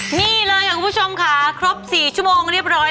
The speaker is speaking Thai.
นี่เลยค่ะคุณผู้ชมค่ะครบ๔ชั่วโมงเรียบร้อย